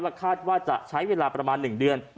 คาดว่าจะใช้เวลาประมาณ๑เดือน